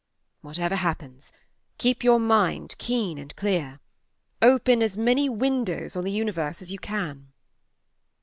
" Whatever happens, keep your mind keen and clear : open as many windows on the universe as you can.